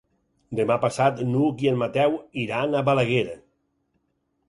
Demà passat n'Hug i en Mateu iran a Balaguer.